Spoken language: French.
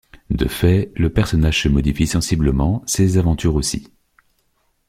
De fait, le personnage se modifie sensiblement, ses aventures aussi.